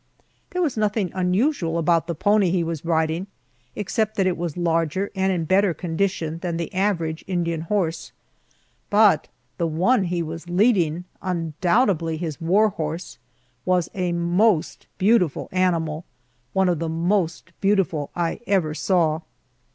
There was nothing unusual about the pony he was riding, except that it was larger and in better condition than the average Indian horse, but the one he was leading undoubtedly his war horse was a most beautiful animal, one of the most beautiful I ever saw.